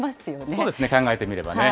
そうですね、考えてみればね。